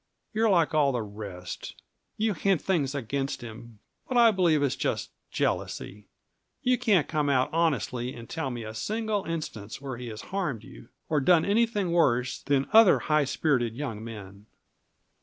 You're like all the rest; you hint things against him but I believe it's just jealousy. You can't come out honestly and tell me a single instance where he has harmed you, or done anything worse than other high spirited young men."